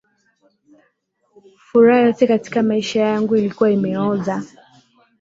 Furaha yote katika maisha yangu ilikuwa imeoza.